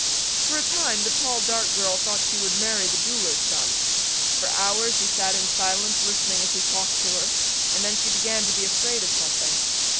For a time the tall dark girl thought she would marry the jeweler's son. For hours she sat in silence listening as he talked to her and then she began to be afraid of something.